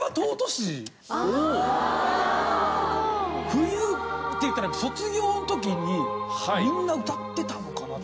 冬っていうか卒業の時にみんな歌ってたのかな。